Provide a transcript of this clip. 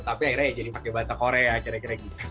tapi akhirnya ya jadi pakai bahasa korea kira kira gitu